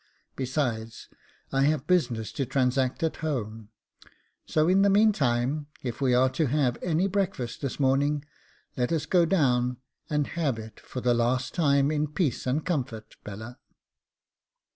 Besides, I have business to transact at home; so in the meantime, if we are to have any breakfast this morning, let us go down and have it for the last time in peace and comfort, Bella.